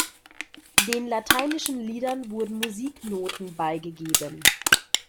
Den lateinischen Liedern wurden Musiknoten beigegeben.